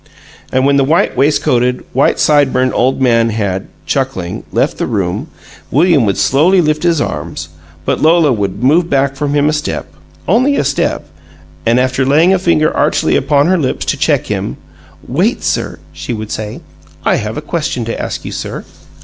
And when the white waistcoated, white side burned old man had, chuckling, left the room, William would slowly lift his arms; but Lola would move back from him a step only a step and after laying a finger archly upon her lips to check him, "Wait, sir!" she would say. "I have a question to ask you, sir!"